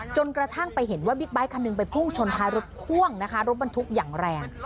จนกระทั่งไปเห็นว่าบิ๊กไบท์คันหนึ่งไปพุ่งชนท้ายรถพ่วงนะคะรถบรรทุกอย่างแรง